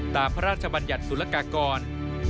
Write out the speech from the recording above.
ตามพระราชบรรยัตษ์สุรกากร